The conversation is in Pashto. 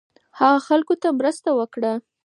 هغه خلکو ته مرسته وکړه